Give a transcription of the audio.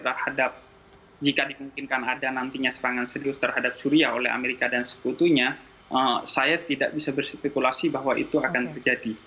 terhadap jika dimungkinkan ada nantinya serangan serius terhadap syria oleh amerika dan sekutunya saya tidak bisa berspekulasi bahwa itu akan terjadi